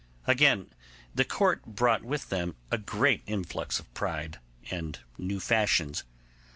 Again, the Court brought with them a great flux of pride, and new fashions.